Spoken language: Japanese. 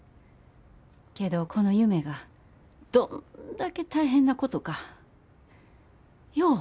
けどこの夢がどんだけ大変なことかよう分かった。